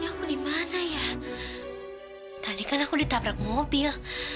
aku dimana ya tadi kan aku ditabrak mobil